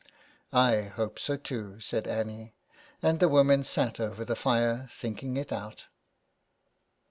" I hope so, too," said Annie, and the women sat over the fire thinking it out.